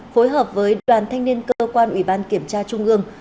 phối hợp với đoàn thanh niên cơ quan ủy ban kiểm tra trung ương